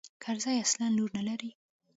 کرزى اصلاً لور نه لري.